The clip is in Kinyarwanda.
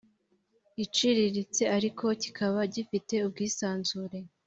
iciriritse ariko kikaba gifite ubwisanzure